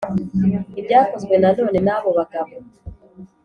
Ibyakozwe Nanone n abo bagabo